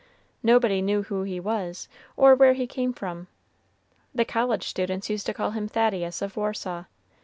Nobody knew who he was, or where he came from. The college students used to call him Thaddeus of Warsaw.